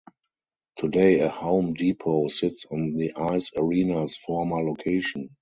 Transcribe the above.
Today a Home Depot sits on the ice arena's former location.